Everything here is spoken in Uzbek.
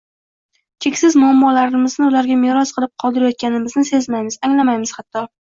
cheksiz muammolarimizni ularga meros qilib qoldirayotganimizni sezmaymiz, anglamaymiz hatto.